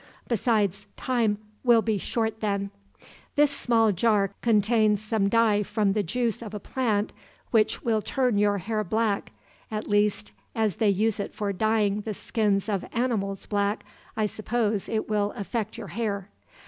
Besides, time will be short then. "This small jar contains some dye from the juice of a plant which will turn your hair black at least, as they use it for dyeing the skins of animals black, I suppose it will affect your hair."